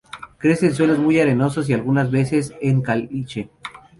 Crece en suelos muy arenosos y algunas veces en caliche.